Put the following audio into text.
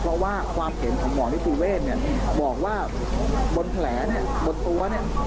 เพราะว่าความเห็นของหมอมิตรวเวทบอกว่าบนแผลบนตัว